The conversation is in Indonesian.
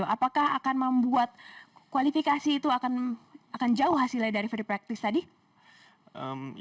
jadi kualifikasi itu akan jauh hasilnya dari free practice tadi